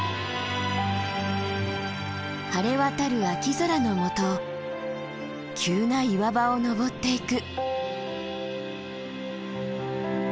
晴れ渡る秋空のもと急な岩場を登っていく。